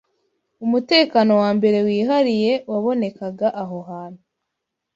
Umutekano wambere wihariye wabonekaga aho hantu